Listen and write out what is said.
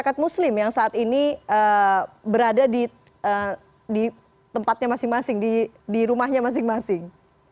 masyarakat muslim yang saat ini berada di tempatnya masing masing di rumahnya masing masing